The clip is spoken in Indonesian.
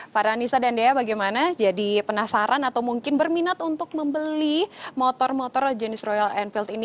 farhanisa dan dea bagaimana jadi penasaran atau mungkin berminat untuk membeli motor motor jenis royal enfield ini